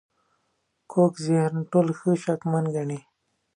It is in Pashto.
کوږ ذهن ټول ښه شکمن ګڼي